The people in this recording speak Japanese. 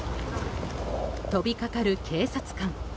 飛びかかる警察官。